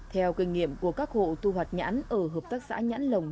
theo kinh nghiệm của các hộ thu hoạch nhãn ở hợp tác xã nhãn lồng